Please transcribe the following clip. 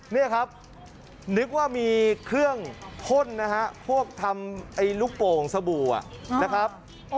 นี่ครับนึกว่ามีเครื่องพ่นนะฮะพวกทำไอ้ลูกโป่งสบู่นะครับ